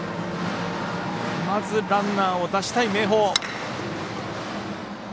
まずランナーを出したい明豊。